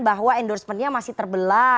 bahwa endorsementnya masih terbelah